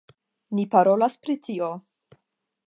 Ni parolas pri tio.